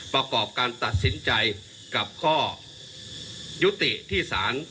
ประกอบการตัดสินใจกับข้อยุติที่ศาล